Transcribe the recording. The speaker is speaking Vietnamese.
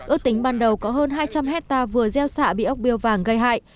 ước tính ban đầu có hơn hai trăm linh hectare vừa gieo xạ bị ốc biêu vàng gây hại